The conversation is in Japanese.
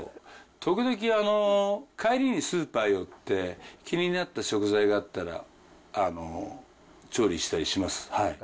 時々、帰りにスーパー寄って、気になった食材があったら、調理したりします。